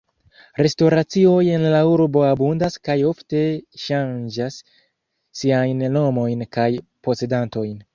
Restoracioj en la urbo abundas kaj ofte ŝanĝas siajn nomojn kaj posedantojn.